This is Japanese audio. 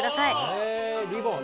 へえリボン。